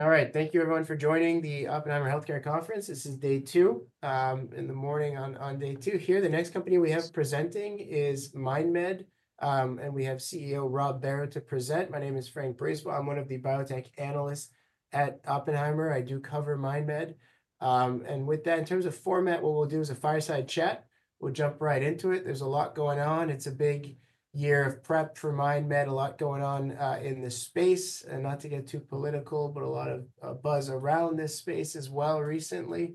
All right, thank you everyone for joining the Oppenheimer Healthcare Conference. This is day two in the morning on day two here. The next company we have presenting is MindMed, and we have CEO Rob Barrow to present. My name is François Brisebois. I'm one of the biotech analysts at Oppenheimer. I do cover MindMed. And with that, in terms of format, what we'll do is a fireside chat. We'll jump right into it. There's a lot going on. It's a big year of prep for MindMed, a lot going on in the space, and not to get too political, but a lot of buzz around this space as well recently.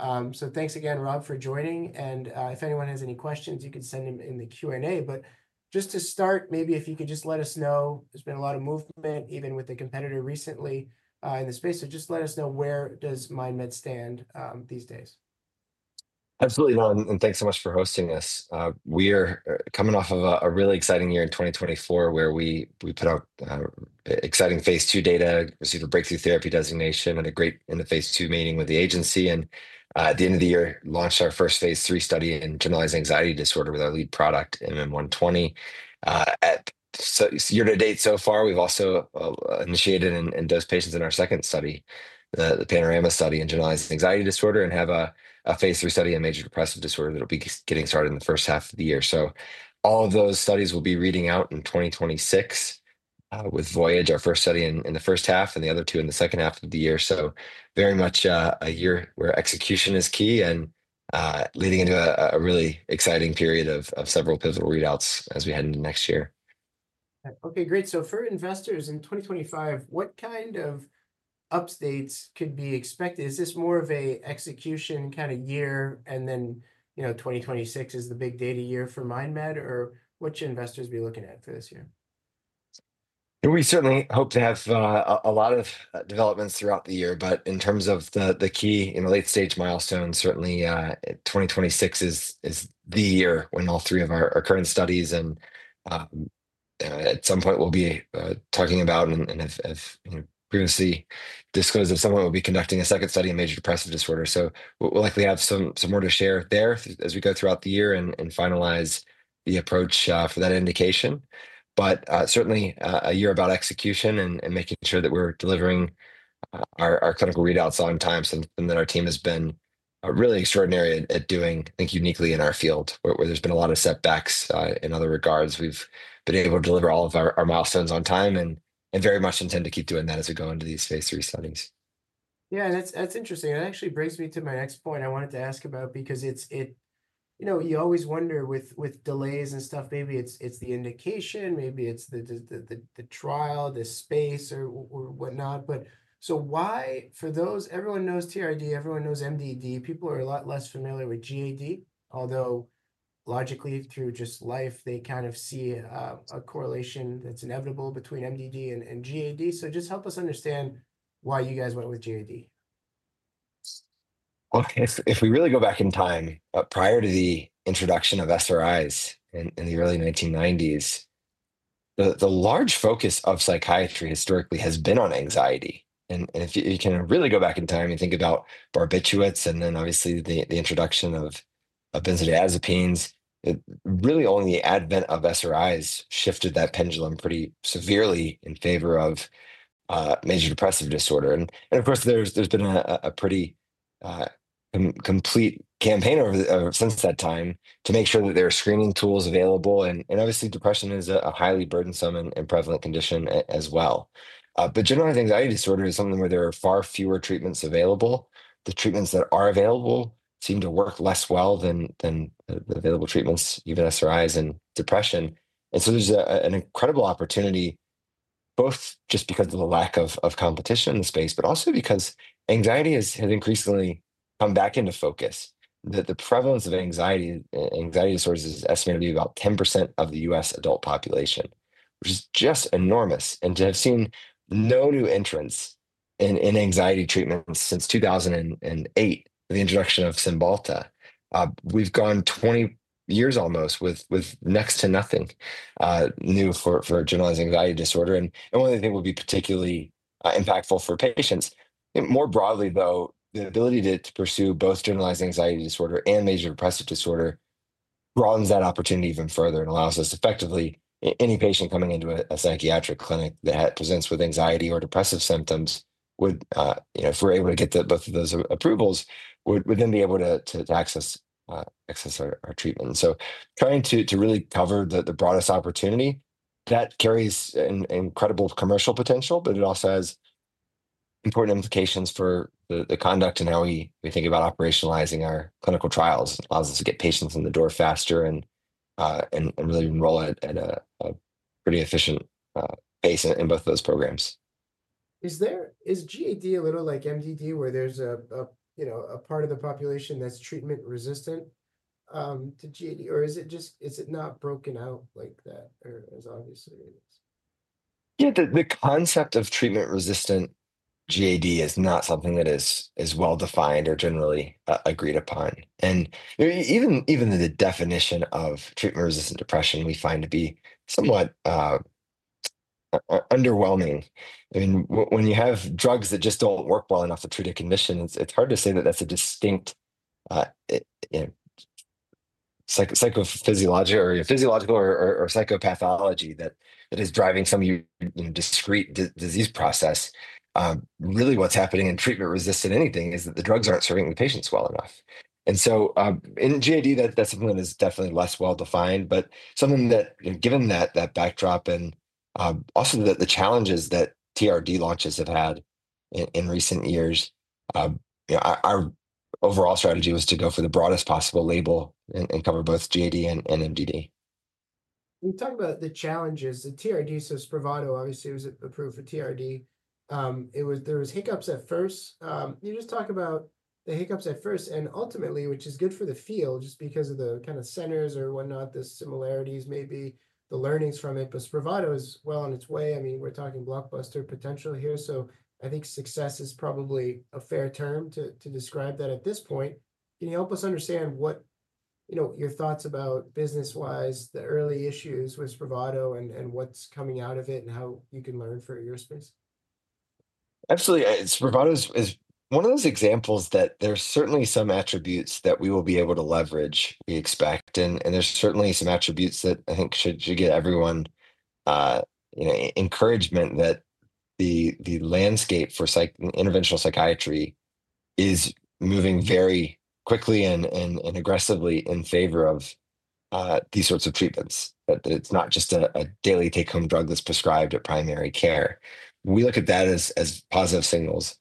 So thanks again, Rob, for joining. And if anyone has any questions, you can send them in the Q&A. But just to start, maybe if you could just let us know, there's been a lot of movement, even with the competitor recently in the space. So just let us know, where does MindMed stand these days? Absolutely, and thanks so much for hosting us. We are coming off of a really exciting year in 2024, where we put out exciting Phase 2 data, received a breakthrough therapy designation, and a great Phase 2 meeting with the agency, and at the end of the year, launched our first Phase 3 study in generalized anxiety disorder with our lead product MM120. So year to date so far, we've also initiated and dosed patients in our second study, the Panorama Study in generalized anxiety disorder, and have a Phase 3 study in major depressive disorder that will be getting started in the first half of the year. So all of those studies will be reading out in 2026 with Voyage, our first study in the first half, and the other two in the second half of the year. So very much a year where execution is key and leading into a really exciting period of several pivotal readouts as we head into next year. Okay, great. So for investors in 2025, what kind of updates could be expected? Is this more of an execution kind of year? And then 2026 is the big data year for MindMed, or what should investors be looking at for this year? We certainly hope to have a lot of developments throughout the year, but in terms of the key and late stage milestones, certainly 2026 is the year when all three of our current studies and at some point we'll be talking about and have previously disclosed at some point we'll be conducting a second study in major depressive disorder. So we'll likely have some more to share there as we go throughout the year and finalize the approach for that indication. But certainly a year about execution and making sure that we're delivering our clinical readouts on time and that our team has been really extraordinary at doing, I think, uniquely in our field, where there's been a lot of setbacks in other regards. We've been able to deliver all of our milestones on time and very much intend to keep doing that as we go into these Phase 3 studies. Yeah, that's interesting. That actually brings me to my next point I wanted to ask about, because you always wonder with delays and stuff, maybe it's the indication, maybe it's the trial, the space, or whatnot. But so why, for those everyone knows TRD, everyone knows MDD, people are a lot less familiar with GAD, although logically through just life, they kind of see a correlation that's inevitable between MDD and GAD. So just help us understand why you guys went with GAD? If we really go back in time prior to the introduction of SRIs in the early 1990s, the large focus of psychiatry historically has been on anxiety. If you can really go back in time and think about barbiturates and then obviously the introduction of benzodiazepines, really only the advent of SRIs shifted that pendulum pretty severely in favor of major depressive disorder. Of course, there's been a pretty complete campaign since that time to make sure that there are screening tools available. Obviously, depression is a highly burdensome and prevalent condition as well. Generalized anxiety disorder is something where there are far fewer treatments available. The treatments that are available seem to work less well than the available treatments, even SRIs and depression. There's an incredible opportunity, both just because of the lack of competition in the space, but also because anxiety has increasingly come back into focus. The prevalence of anxiety disorders is estimated to be about 10% of the U.S. adult population, which is just enormous. To have seen no new entrants in anxiety treatments since 2008, the introduction of Cymbalta, we've gone 20 years almost with next to nothing new for generalized anxiety disorder. One of the things that would be particularly impactful for patients, more broadly though, the ability to pursue both generalized anxiety disorder and major depressive disorder broadens that opportunity even further and allows us effectively any patient coming into a psychiatric clinic that presents with anxiety or depressive symptoms, if we're able to get both of those approvals, would then be able to access our treatment. Trying to really cover the broadest opportunity, that carries incredible commercial potential, but it also has important implications for the conduct and how we think about operationalizing our clinical trials. It allows us to get patients in the door faster and really enroll at a pretty efficient pace in both of those programs. Is GAD a little like MDD where there's a part of the population that's treatment resistant to GAD, or is it not broken out like that, or as obviously it is? Yeah, the concept of treatment-resistant GAD is not something that is well defined or generally agreed upon, and even the definition of treatment-resistant depression we find to be somewhat underwhelming. When you have drugs that just don't work well enough to treat a condition, it's hard to say that that's a distinct psychophysiological or psychopathology that is driving some discrete disease process. Really what's happening in treatment-resistant anything is that the drugs aren't serving the patients well enough, and so in GAD, that's something that is definitely less well defined, but something that, given that backdrop and also the challenges that TRD launches have had in recent years, our overall strategy was to go for the broadest possible label and cover both GAD and MDD. We talked about the challenges. The TRD, so it's Spravato, obviously it was approved for TRD. There were hiccups at first. You just talked about the hiccups at first and ultimately, which is good for the field just because of the kind of centers or whatnot, the similarities maybe, the learnings from it, but Spravato is well on its way. I mean, we're talking blockbuster potential here. So I think success is probably a fair term to describe that at this point. Can you help us understand what your thoughts about business-wise, the early issues with Spravato and what's coming out of it and how you can learn for your space? Absolutely. Spravato is one of those examples that there's certainly some attributes that we will be able to leverage, we expect, and there's certainly some attributes that I think should get everyone encouragement that the landscape for interventional psychiatry is moving very quickly and aggressively in favor of these sorts of treatments. It's not just a daily take-home drug that's prescribed at primary care. We look at that as positive signals.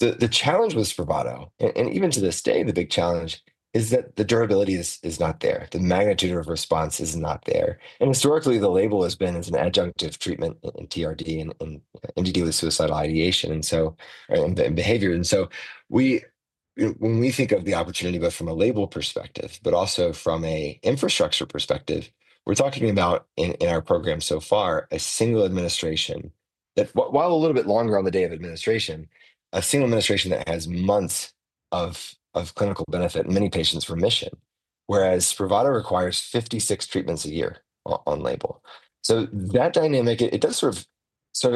The challenge with Spravato, and even to this day, the big challenge is that the durability is not there. The magnitude of response is not there, and historically, the label has been as an adjunctive treatment in TRD and MDD with suicidal ideation and behavior. And so when we think of the opportunity, both from a label perspective, but also from an infrastructure perspective, we're talking about in our program so far, a single administration that, while a little bit longer on the day of administration, a single administration that has months of clinical benefit and many patients' remission, whereas Spravato requires 56 treatments a year on label. So that dynamic, it does serve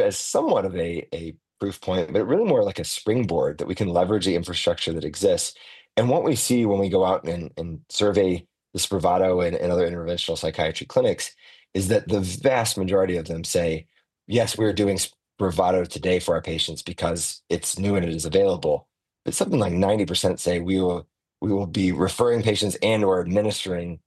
as somewhat of a proof point, but really more like a springboard that we can leverage the infrastructure that exists. And what we see when we go out and survey the Spravato and other interventional psychiatry clinics is that the vast majority of them say, yes, we're doing Spravato today for our patients because it's new and it is available. But something like 90% say we will be referring patients and/or administering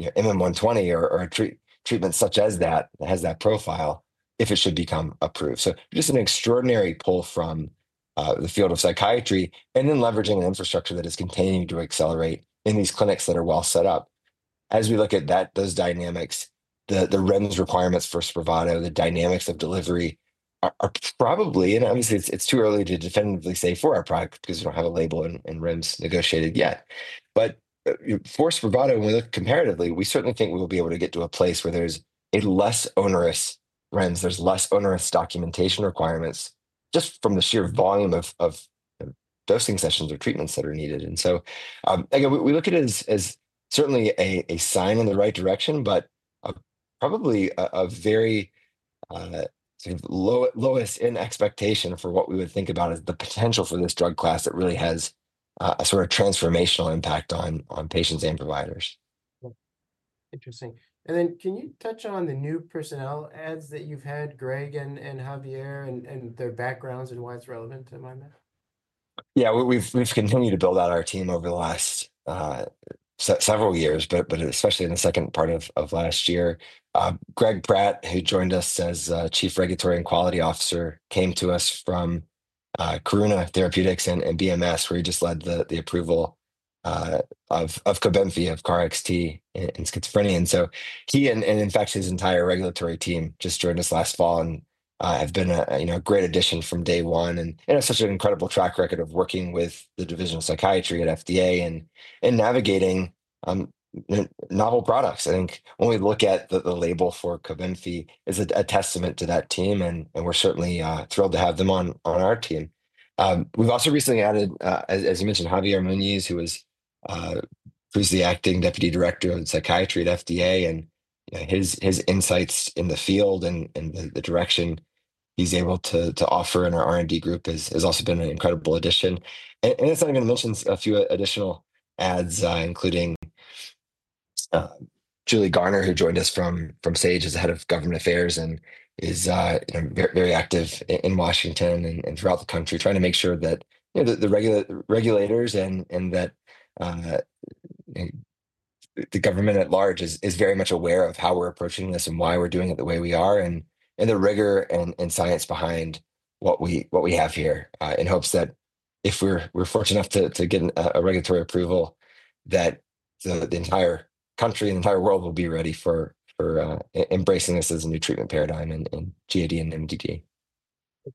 MM120 or treatments such as that that has that profile if it should become approved. So just an extraordinary pull from the field of psychiatry and then leveraging an infrastructure that is continuing to accelerate in these clinics that are well set up. As we look at those dynamics, the REMS requirements for Spravato, the dynamics of delivery are probably, and obviously it's too early to definitively say for our product because we don't have a label and REMS negotiated yet. But for Spravato, when we look comparatively, we certainly think we will be able to get to a place where there's less onerous REMS, there's less onerous documentation requirements just from the sheer volume of dosing sessions or treatments that are needed. Again, we look at it as certainly a sign in the right direction, but probably a very low-set expectation for what we would think about as the potential for this drug class that really has a sort of transformational impact on patients and providers. Interesting, and then can you touch on the new personnel adds that you've had, Greg and Javier, and their backgrounds and why it's relevant to Mind Medicine? Yeah, we've continued to build out our team over the last several years, but especially in the second part of last year. Gregg Pratt, who joined us as Chief Regulatory and Quality Officer, came to us from Karuna Therapeutics and BMS, where he just led the approval of Cobenfy, of KarXT in schizophrenia. And so he, and in fact, his entire regulatory team just joined us last fall and have been a great addition from day one. And it has such an incredible track record of working with the Division of Psychiatry at FDA and navigating novel products. I think when we look at the label for Cobenfy, it's a testament to that team, and we're certainly thrilled to have them on our team. We've also recently added, as you mentioned, Javier Muñiz, who is the acting deputy director of psychiatry at FDA, and his insights in the field and the direction he's able to offer in our R&D group has also been an incredible addition, and it's not even mentioned a few additional adds, including Juli Garner, who joined us from Sage as the head of government affairs and is very active in Washington and throughout the country, trying to make sure that the regulators and the government at large is very much aware of how we're approaching this and why we're doing it the way we are and the rigor and science behind what we have here in hopes that if we're fortunate enough to get a regulatory approval, that the entire country and the entire world will be ready for embracing this as a new treatment paradigm in GAD and MDD.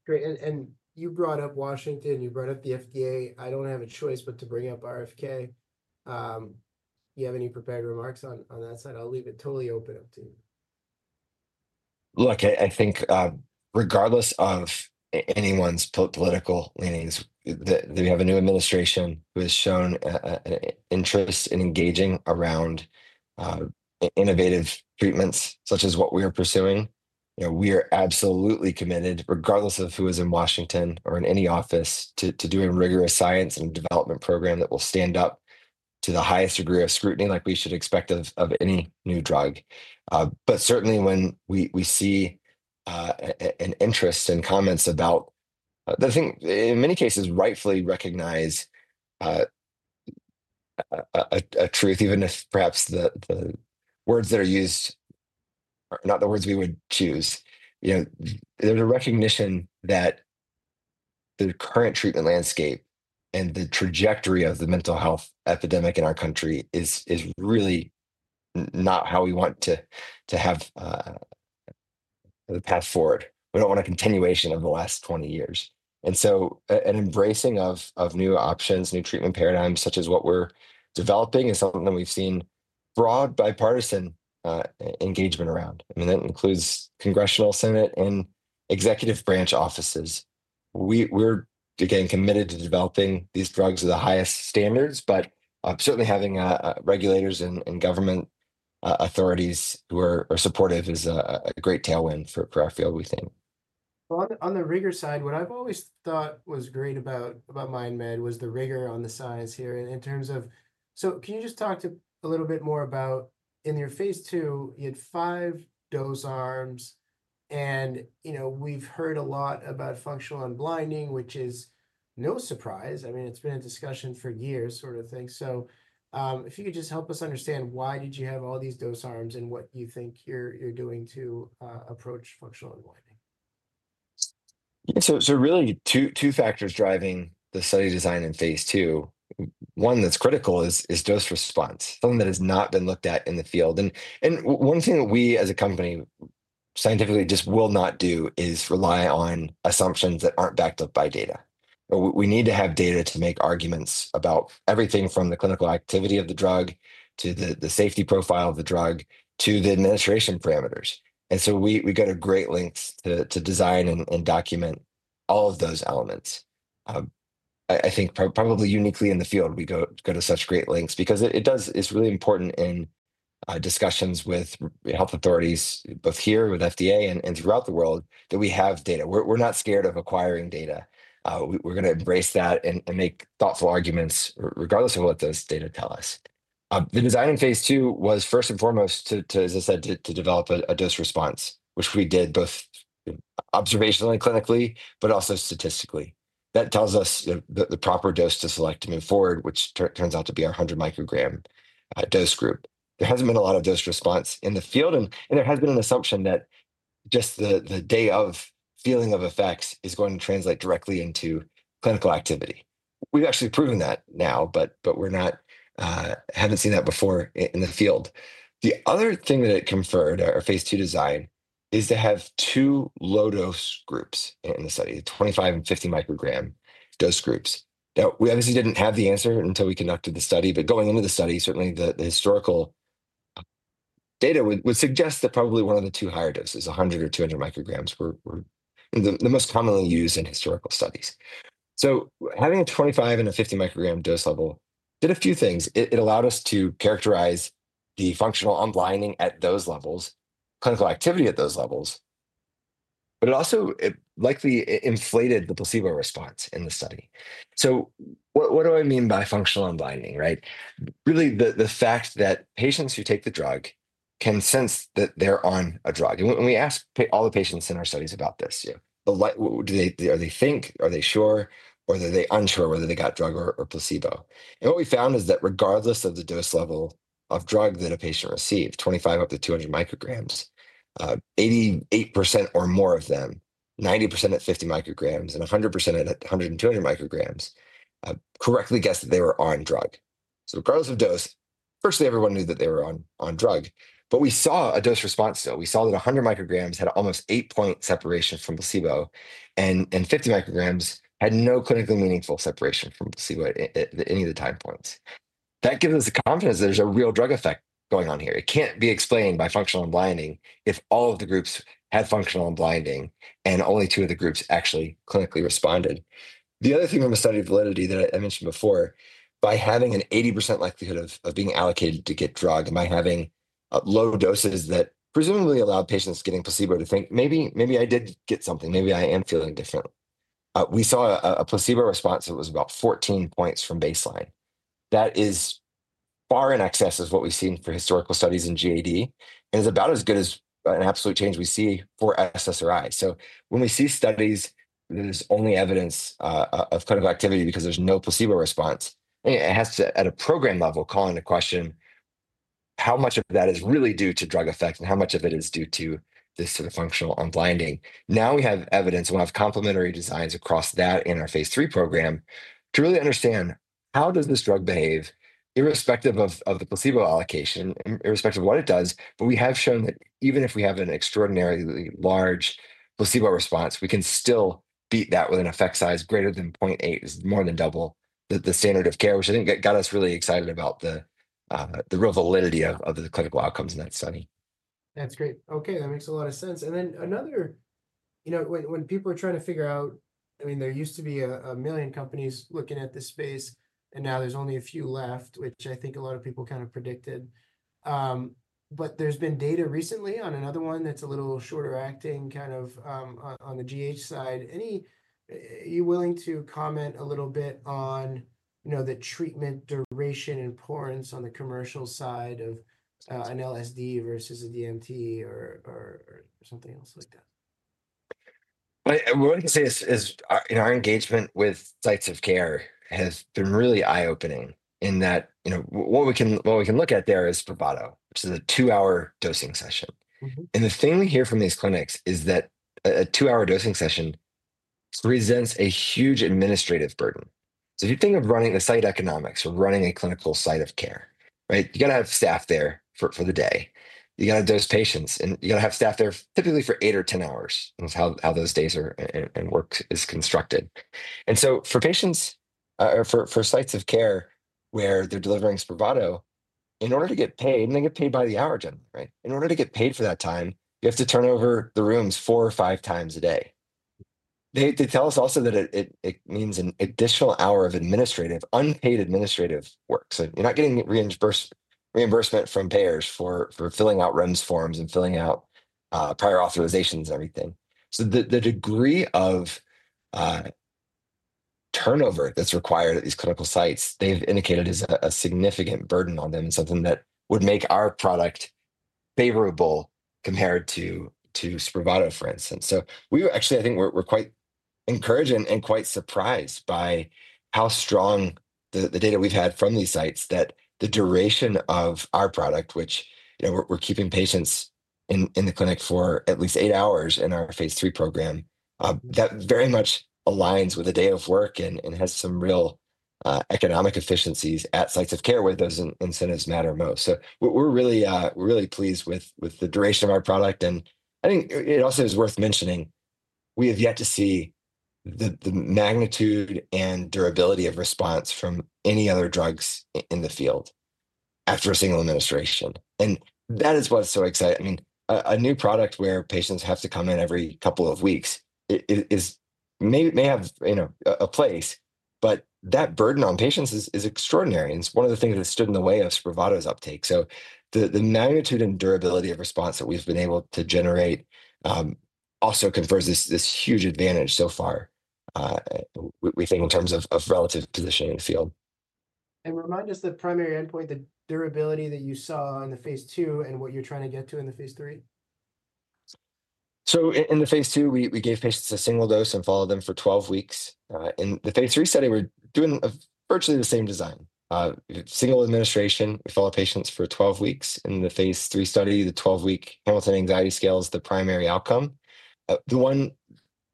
Great, and you brought up Washington, you brought up the FDA. I don't have a choice but to bring up RFK. Do you have any prepared remarks on that side? I'll leave it totally open up to you. Look, I think regardless of anyone's political leanings, we have a new administration who has shown an interest in engaging around innovative treatments such as what we are pursuing. We are absolutely committed, regardless of who is in Washington or in any office, to do a rigorous science and development program that will stand up to the highest degree of scrutiny like we should expect of any new drug. But certainly when we see an interest in comments about, I think in many cases, rightfully recognize a truth, even if perhaps the words that are used are not the words we would choose, there's a recognition that the current treatment landscape and the trajectory of the mental health epidemic in our country is really not how we want to have the path forward. We don't want a continuation of the last 20 years. So an embracing of new options, new treatment paradigms such as what we're developing is something that we've seen broad bipartisan engagement around. I mean, that includes congressional, Senate, and executive branch offices. We're again committed to developing these drugs to the highest standards, but certainly having regulators and government authorities who are supportive is a great tailwind for our field, we think. On the rigor side, what I've always thought was great about MindMed was the rigor on the science here in terms of, so can you just talk a little bit more about in your Phase 2, you had five dose arms and we've heard a lot about functional unblinding, which is no surprise. I mean, it's been a discussion for years, sort of thing. So if you could just help us understand why did you have all these dose arms and what you think you're doing to approach functional unblinding? So really two factors driving the study design in Phase 2. One that's critical is dose response, something that has not been looked at in the field. And one thing that we as a company scientifically just will not do is rely on assumptions that aren't backed up by data. We need to have data to make arguments about everything from the clinical activity of the drug to the safety profile of the drug to the administration parameters. And so we go to great lengths to design and document all of those elements. I think probably uniquely in the field, we go to such great lengths because it's really important in discussions with health authorities, both here with FDA and throughout the world, that we have data. We're not scared of acquiring data. We're going to embrace that and make thoughtful arguments regardless of what those data tell us. The design in Phase 2 was first and foremost, as I said, to develop a dose response, which we did both observationally and clinically, but also statistically. That tells us the proper dose to select to move forward, which turns out to be our 100 microgram dose group. There hasn't been a lot of dose response in the field, and there has been an assumption that just the day of feeling of effects is going to translate directly into clinical activity. We've actually proven that now, but we haven't seen that before in the field. The other thing that it conferred, our Phase 2 design, is to have two low dose groups in the study, 25 and 50 microgram dose groups. Now, we obviously didn't have the answer until we conducted the study, but going into the study, certainly the historical data would suggest that probably one of the two higher doses, 100 or 200 micrograms, were the most commonly used in historical studies. So having a 25 and a 50 microgram dose level did a few things. It allowed us to characterize the functional unblinding at those levels, clinical activity at those levels, but it also likely inflated the placebo response in the study. So what do I mean by functional unblinding? Really, the fact that patients who take the drug can sense that they're on a drug. We asked all the patients in our studies about this. Do they think, are they sure, or are they unsure whether they got drug or placebo? What we found is that regardless of the dose level of drug that a patient received, 25 up to 200 micrograms, 88% or more of them, 90% at 50 micrograms and 100% at 100 and 200 micrograms, correctly guessed that they were on drug. Regardless of dose, firstly, everyone knew that they were on drug. We saw a dose response still. We saw that 100 micrograms had almost eight-point separation from placebo and 50 micrograms had no clinically meaningful separation from placebo at any of the time points. That gives us the confidence that there's a real drug effect going on here. It can't be explained by functional unblinding if all of the groups had functional unblinding and only two of the groups actually clinically responded. The other thing from a study of validity that I mentioned before, by having an 80% likelihood of being allocated to get drug and by having low doses that presumably allowed patients getting placebo to think, maybe I did get something, maybe I am feeling different. We saw a placebo response that was about 14 points from baseline. That is far in excess of what we've seen for historical studies in GAD and is about as good as an absolute change we see for SSRI. So when we see studies that there's only evidence of clinical activity because there's no placebo response, it has to, at a program level, call into question how much of that is really due to drug effects and how much of it is due to this sort of functional unblinding. Now we have evidence, we have complementary designs across that in our Phase 3 program to really understand how does this drug behave irrespective of the placebo allocation, irrespective of what it does, but we have shown that even if we have an extraordinarily large placebo response, we can still beat that with an effect size greater than 0.8, is more than double the standard of care, which I think got us really excited about the real validity of the clinical outcomes in that study. That's great. Okay, that makes a lot of sense. And then another, when people are trying to figure out, I mean, there used to be a million companies looking at this space and now there's only a few left, which I think a lot of people kind of predicted. But there's been data recently on another one that's a little shorter acting kind of on the GH side. Are you willing to comment a little bit on the treatment duration and importance on the commercial side of an LSD versus a DMT or something else like that? What I can say is our engagement with sites of care has been really eye-opening in that what we can look at there is Spravato, which is a two-hour dosing session. And the thing we hear from these clinics is that a two-hour dosing session presents a huge administrative burden. So if you think of running the site economics or running a clinical site of care, you got to have staff there for the day. You got to dose patients and you got to have staff there typically for eight or 10 hours. That's how those days and work is constructed. And so for sites of care where they're delivering Spravato, in order to get paid, and they get paid by the hour, generally, in order to get paid for that time, you have to turn over the rooms four or five times a day. They tell us also that it means an additional hour of unpaid administrative work. So you're not getting reimbursement from payers for filling out REMS forms and filling out prior authorizations and everything. So the degree of turnover that's required at these clinical sites, they've indicated is a significant burden on them and something that would make our product favorable compared to Spravato, for instance. So we were actually, I think we're quite encouraged and quite surprised by how strong the data we've had from these sites that the duration of our product, which we're keeping patients in the clinic for at least eight hours in our Phase 3 program, that very much aligns with a day of work and has some real economic efficiencies at sites of care where those incentives matter most. So we're really pleased with the duration of our product. And I think it also is worth mentioning, we have yet to see the magnitude and durability of response from any other drugs in the field after a single administration. And that is what's so exciting. I mean, a new product where patients have to come in every couple of weeks may have a place, but that burden on patients is extraordinary. And it's one of the things that stood in the way of Spravato's uptake. So the magnitude and durability of response that we've been able to generate also confers this huge advantage so far, we think, in terms of relative position in the field. Remind us the primary endpoint, the durability that you saw in the Phase 2, and what you're trying to get to in the Phase 3? In the Phase 2, we gave patients a single dose and followed them for 12 weeks. In the Phase 3 study, we're doing virtually the same design. Single administration, we follow patients for 12 weeks. In the Phase 3 study, the 12-week Hamilton Anxiety Scale is the primary outcome. The one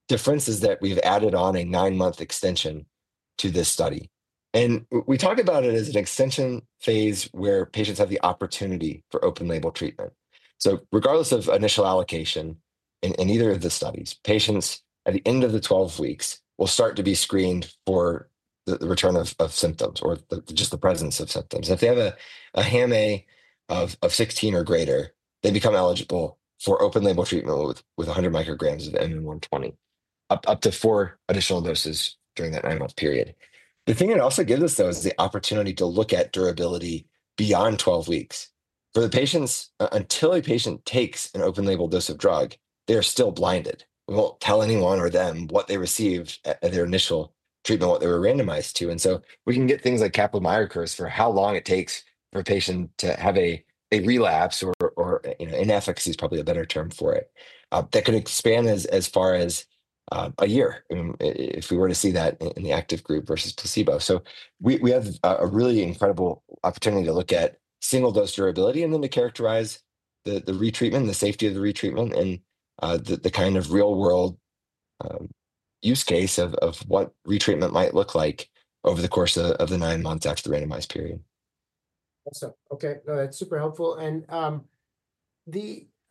difference is that we've added on a nine-month extension to this study. We talk about it as an extension phase where patients have the opportunity for open-label treatment. Regardless of initial allocation in either of the studies, patients at the end of the 12 weeks will start to be screened for the return of symptoms or just the presence of symptoms. If they have a HAM-A of 16 or greater, they become eligible for open-label treatment with 100 micrograms of MM120, up to four additional doses during that nine-month period. The thing it also gives us, though, is the opportunity to look at durability beyond 12 weeks. For the patients, until a patient takes an open-label dose of drug, they are still blinded. We won't tell anyone or them what they received at their initial treatment, what they were randomized to, and so we can get things like Kaplan-Meier curves for how long it takes for a patient to have a relapse or inefficacy, is probably a better term for it. That could expand as far as a year if we were to see that in the active group versus placebo, so we have a really incredible opportunity to look at single dose durability and then to characterize the retreatment, the safety of the retreatment, and the kind of real-world use case of what retreatment might look like over the course of the nine months after the randomized period. Awesome. Okay. No, that's super helpful. And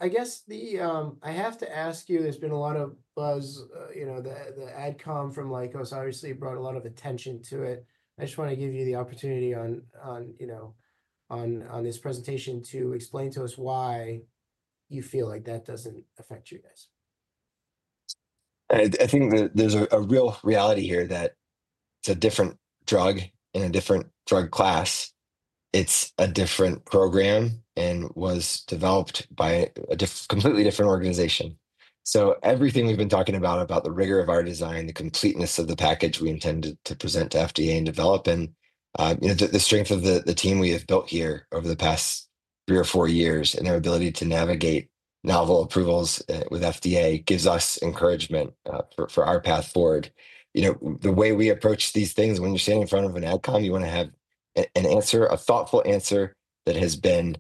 I guess I have to ask you, there's been a lot of buzz. The AdCom from Lykos obviously brought a lot of attention to it. I just want to give you the opportunity on this presentation to explain to us why you feel like that doesn't affect you guys. I think there's a real reality here that it's a different drug in a different drug class. It's a different program and was developed by a completely different organization. So everything we've been talking about, about the rigor of our design, the completeness of the package we intended to present to FDA and develop, and the strength of the team we have built here over the past three or four years and our ability to navigate novel approvals with FDA gives us encouragement for our path forward. The way we approach these things, when you're standing in front of an AdCom, you want to have an answer, a thoughtful answer that has been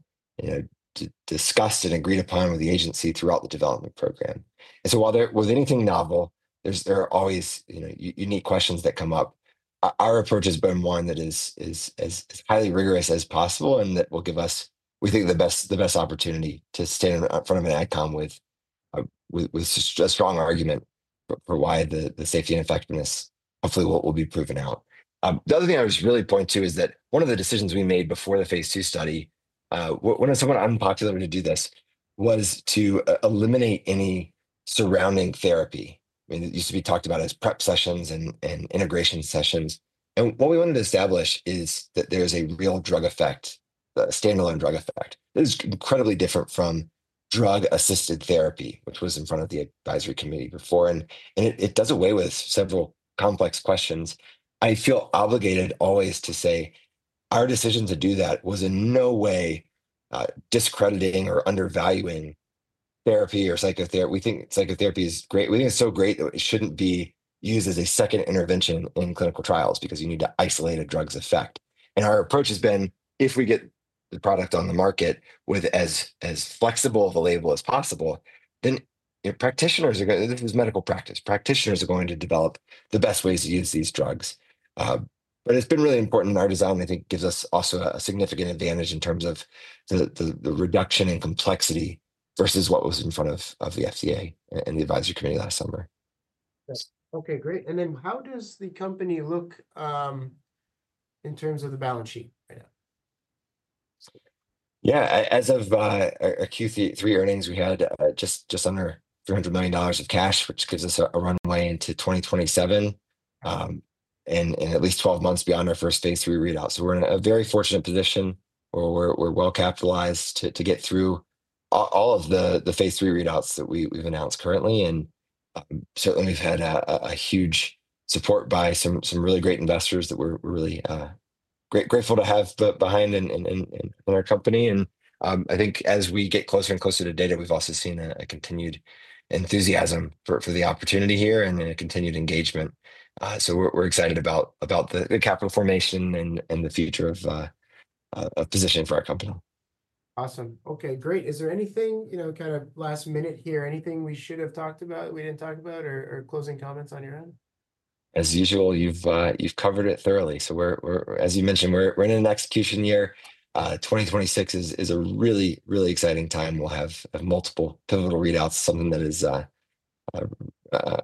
discussed and agreed upon with the agency throughout the development program. And so while there was anything novel, there are always unique questions that come up. Our approach has been one that is as highly rigorous as possible and that will give us, we think, the best opportunity to stand in front of an AdCom with a strong argument for why the safety and effectiveness, hopefully, will be proven out. The other thing I was really pointing to is that one of the decisions we made before the Phase 2 study, when it's somewhat unpopular to do this, was to eliminate any surrounding therapy. It used to be talked about as prep sessions and integration sessions, and what we wanted to establish is that there is a real drug effect, a standalone drug effect. It is incredibly different from drug-assisted therapy, which was in front of the advisory committee before, and it does away with several complex questions. I feel obligated always to say our decision to do that was in no way discrediting or undervaluing therapy or psychotherapy. We think psychotherapy is great. We think it's so great that it shouldn't be used as a second intervention in clinical trials because you need to isolate a drug's effect, and our approach has been, if we get the product on the market with as flexible of a label as possible, then practitioners are going to, this is medical practice, practitioners are going to develop the best ways to use these drugs, but it's been really important in our design. I think it gives us also a significant advantage in terms of the reduction in complexity versus what was in front of the FDA and the advisory committee last summer. Okay, great. And then how does the company look in terms of the balance sheet right now? Yeah, as of Q3 earnings, we had just under $300 million of cash, which gives us a runway into 2027 and at least 12 months beyond our first Phase 3 readout. So we're in a very fortunate position where we're well capitalized to get through all of the Phase 3 readouts that we've announced currently. And certainly, we've had a huge support by some really great investors that we're really grateful to have behind in our company. And I think as we get closer and closer to data, we've also seen a continued enthusiasm for the opportunity here and a continued engagement. So we're excited about the capital formation and the future of a position for our company. Awesome. Okay, great. Is there anything kind of last minute here, anything we should have talked about, we didn't talk about, or closing comments on your end? As usual, you've covered it thoroughly. So as you mentioned, we're in an execution year. 2026 is a really, really exciting time. We'll have multiple pivotal readouts, something that is a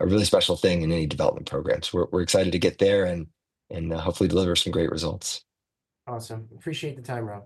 really special thing in any development programs. We're excited to get there and hopefully deliver some great results. Awesome. Appreciate the time, Rob.